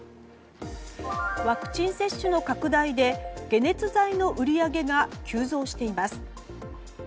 ワクチン接種の拡大で解熱剤の売り上げが急増しています。